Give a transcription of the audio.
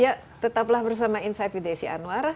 ya tetaplah bersama insight with desi anwar